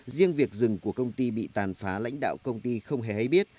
riêng việc rừng của công ty bị tàn phá lãnh đạo công ty không hề hay biết